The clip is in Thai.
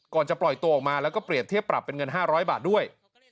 ก่อนจะปล่อยตัวออกมาแล้วก็เปรียบเทียบปรับเป็นเงิน๕๐๐บาทด้วย